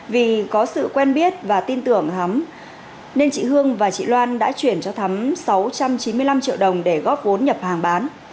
vì có sự quen biết và tin tưởng hắm nên chị hương và chị loan đã chuyển cho thắm sáu trăm chín mươi năm triệu đồng để góp vốn nhập hàng bán